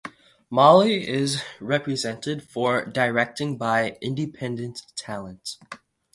Molly is represented for directing by Independent Talent.